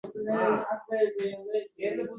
Bunda kitob meniki degan daʼvo yoʻq